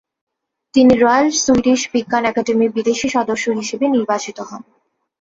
তিনি royal Swedish বিজ্ঞান একাডেমির বিদেশি সদস্য হিসেবে নির্বাচিত হন।